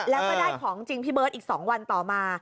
แล้วก็ได้ของจริงพี่เบิร์ตอีก๒วันต่อมา